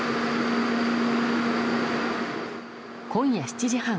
今夜７時半。